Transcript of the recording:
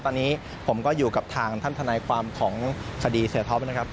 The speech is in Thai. ตอนนี้ผมก็อยู่กับทางท่านทนายความของคดีเสียท็อปนะครับ